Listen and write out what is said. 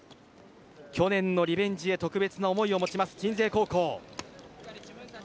去年のリベンジへ特別な思いを持ちます、鎮西高校。